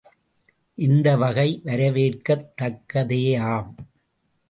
இந்த வகை வரவேற்கத் தக்கதேயாம்.